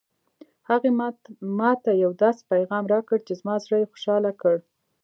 هغې ما ته یو داسې پېغام راکړ چې زما زړه یې خوشحاله کړ